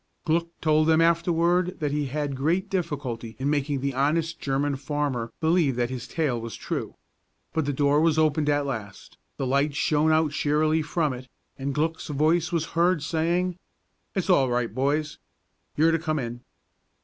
Glück told them afterward that he had great difficulty in making the honest German farmer believe that his tale was true. But the door was opened at last, the light shone out cheerily from it, and Glück's voice was heard saying, "It's all right boys! You're to come in."